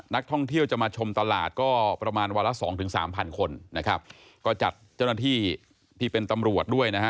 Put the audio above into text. นักท่องเที่ยวจะมาชมตลาดก็ประมาณวันละสองถึงสามพันคนนะครับก็จัดเจ้าหน้าที่ที่เป็นตำรวจด้วยนะฮะ